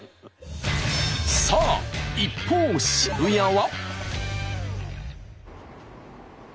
さあ一方渋谷は。